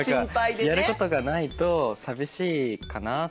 何かやることがないと寂しいかなと思って。